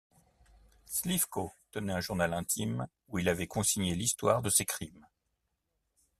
Slivko tenait un journal intime où il avait consigné l'histoire de ses crimes.